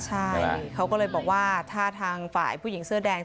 ใช่เขาก็เลยบอกว่าถ้าทางฝ่ายผู้หญิงเสื้อแดง